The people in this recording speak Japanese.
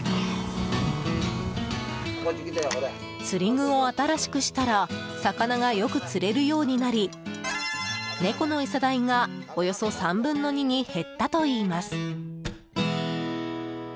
釣り具を新しくしたら魚がよく釣れるようになり猫の餌代が、およそ３分の２に減ったといいます。